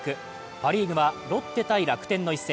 パ・リーグはロッテ対楽天の一戦。